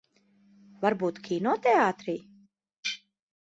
Varbūt kinoteātrī?